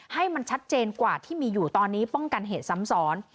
ให้มันชัดเจนกว่าที่มีอยู่ตอนนี้ป้องกันเหตุซ้ำซ้อน